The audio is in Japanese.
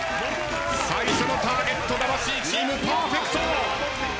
最初のターゲット魂チームパーフェクト。